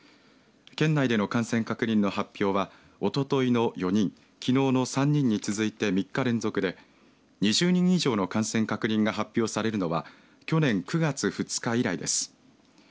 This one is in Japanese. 県内での感染確認の発表はおとといの４人きのうの３人に続いて３日連続で２０人以上の感染確認が発表されるのは去年９月２日以来です。